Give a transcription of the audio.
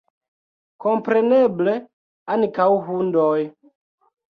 Kompreneble, ankaŭ hundoj.